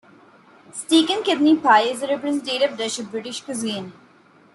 Steak and kidney pie is a representative dish of British cuisine.